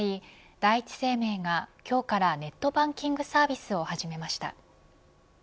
第一生命が今日からネットバンキングサービスを始めました。